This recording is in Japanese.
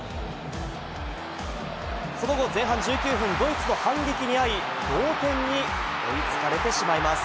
その後、前半１９分、ドイツの反撃に遭い、同点に追いつかれてしまいます。